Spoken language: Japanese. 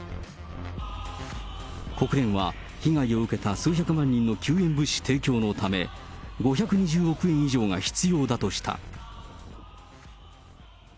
国連は、被害を受けた数百万人の救援物資提供のため、５２０億円以上が必要だとした。